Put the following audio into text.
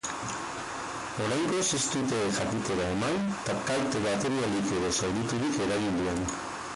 Oraingoz ez dute jakitera eman kalte materialik edo zauriturik eragin duen.